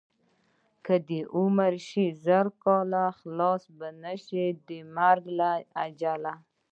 که دې عمر شي زر کاله خلاص به نشې د مرګ له جاله.